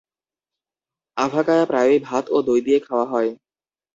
আভাকায়া প্রায়ই ভাত ও দই দিয়ে খাওয়া হয়।